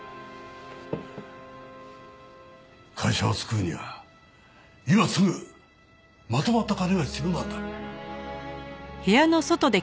会社を救うには今すぐまとまった金が必要なんだ。